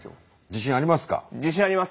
自信あります。